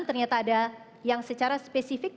ternyata ada yang secara spesifik